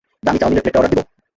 দামী চাওমিনের প্লেটটা অর্ডার দিব?